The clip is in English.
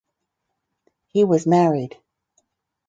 He was married.